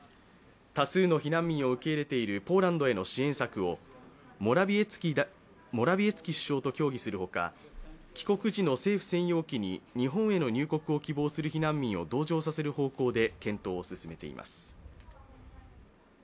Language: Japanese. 多数の避難民を受け入れているポーランドへの支援策をモラヴィエツキ首相と協議するほか、帰国時の政府専用機に日本への入国を希望する避難民を同乗させる方向で検討を進めています。